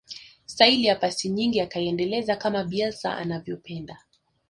staili ya pasi nyingi akaiendeleza kama bielsa anavyopenda